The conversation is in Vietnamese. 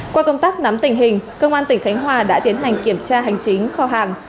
qua công tác nắm tình hình công an tỉnh khánh hòa đã tiến hành kiểm tra hành chính kho hàng